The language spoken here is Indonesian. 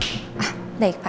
suruh masuk aja pak